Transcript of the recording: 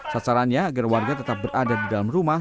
sasarannya agar warga tetap berada di dalam rumah